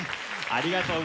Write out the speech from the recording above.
ありがとう。